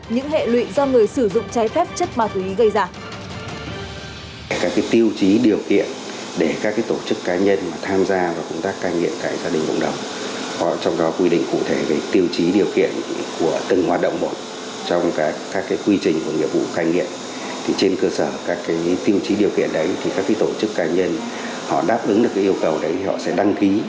những hệ lụy do người sử dụng trái phép chất ma túy gây ra